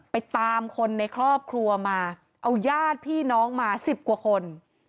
ไปตามคนในครอบครัวมาเอาญาติพี่น้องมาสิบกว่าคน